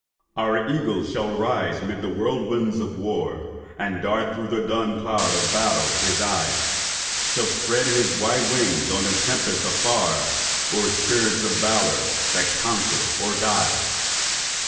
Our Eagle shall rise 'mid the whirlwinds of war, And dart through the dun cloud of battle his eye— Shall spread his wide wings on the tempest afar, O'er spirits of valour that conquer or die.